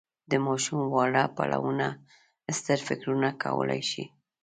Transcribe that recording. د ماشوم واړه پلونه ستر فکرونه کولای شي.